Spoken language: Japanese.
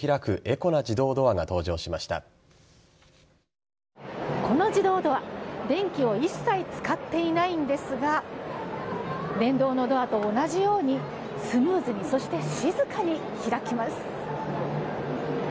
この自動ドア電気を一切使っていないんですが電動のドアと同じようにスムーズにそして静かに開きます。